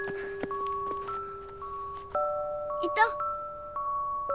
いた！